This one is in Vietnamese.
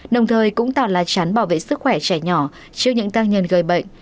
đồng thời cũng tạo là chán bảo vệ sức khỏe trẻ nhỏ trước những tăng nhân gây bệnh